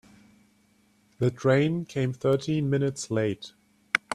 The train came thirteen minutes late.